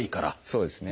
そうですね。